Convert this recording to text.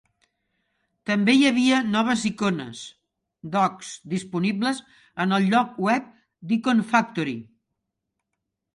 També hi havia noves icones/docks disponibles en el lloc web d'Iconfactory.